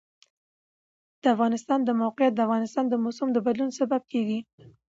د افغانستان د موقعیت د افغانستان د موسم د بدلون سبب کېږي.